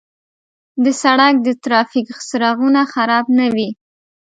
د سړک د ترافیک څراغونه خراب نه وي.